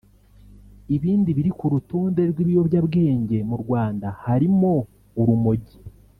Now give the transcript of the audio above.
Ibindi biri ku rutonde rw’ibiyobyabwenge mu Rwanda harimo Urumogi